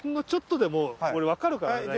ちょっとでも俺分かるから。